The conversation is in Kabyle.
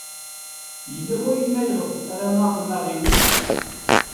Yella wayen ayɣef ara naḍen aɣilif?